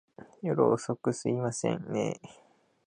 夜遅く、すいませんねぇ。